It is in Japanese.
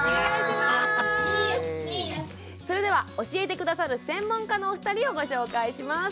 それでは教えて下さる専門家のお二人をご紹介します。